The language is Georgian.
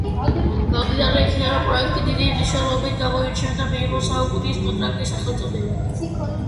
გამომდინარე იქიდან, რომ პროექტი დიდი მნიშვნელობით გამოირჩეოდა, მიიღო „საუკუნის კონტრაქტის“ სახელწოდება.